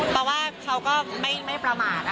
เพราะว่าเขาก็ไม่ประมาท